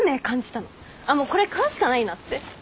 あっもうこれ買うしかないなって。